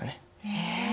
へえ。